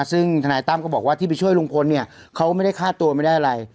ซึ่งธนายตั้มก็บอกว่าที่ไปช่วยลุงพลเนี่ยเขาไม่ได้ฆ่าตัวไม่ได้อะไร